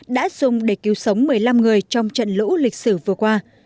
đã dùng để cứu sống một mươi năm người trong trận lũ lịch sử vừa qua